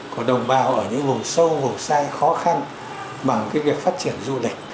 của đồng bào ở những vùng sâu vùng xa khó khăn bằng cái việc phát triển du lịch